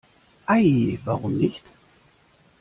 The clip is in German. Ei, warum nicht?